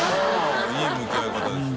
Δいい向き合い方ですよ。